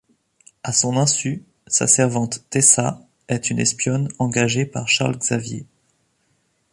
À son insu, sa servante Tessa est une espionne engagée par Charles Xavier.